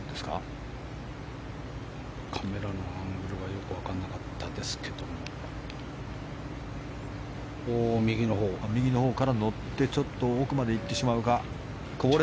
カメラのアングルがよく分からなかったですけども右のほうから乗って奥まで行ってしまうか。